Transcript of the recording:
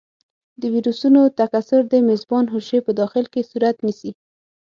د ویروسونو تکثر د میزبان حجرې په داخل کې صورت نیسي.